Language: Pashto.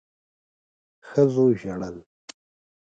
ښځو ژړل